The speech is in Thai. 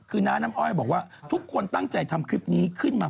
คือน้าน้ำอ้อยบอกว่าทุกคนตั้งใจทำคลิปนี้ขึ้นมา